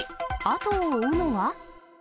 後を追うのは？